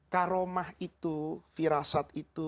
karomah itu firasat itu